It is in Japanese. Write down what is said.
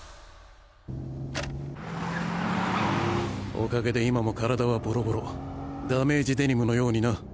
おかげで今も体はボロボロダメージデニムのようにな！